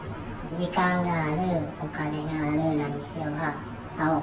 時間がある、お金がある、何しよう？